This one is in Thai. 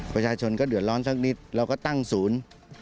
ประชาชนก็เดือดร้อนสักนิดเราก็ตั้งศูนย์